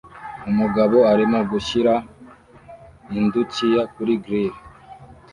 Umugabo arimo gushyira indukiya kuri grill